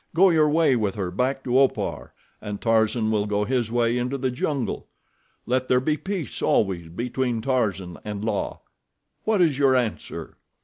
Go your way with her back to Opar, and Tarzan will go his way into the jungle. Let there be peace always between Tarzan and La. What is your answer?"